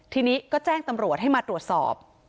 ทีนี้ก็แจ้งตำรวจให้มาตรวจสอบ